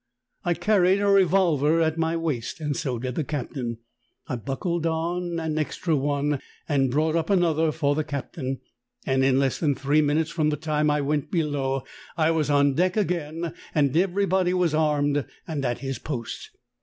I earned a revolver at my waist, and so did the captain. I buckled on an extra one and brought up another for the captain, and in less than three minutes from the time I went below I was on deck again, and everybody was armed and at his post.